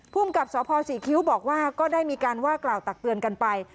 ภูมิกับสพศรีคิ้วบอกว่าก็ได้มีการว่ากล่าวตักเตือนกันไป